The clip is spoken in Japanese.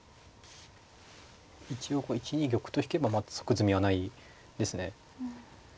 一応これ１二玉と引けばまだ即詰みはないですね。